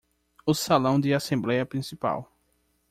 O salão de assembléia principal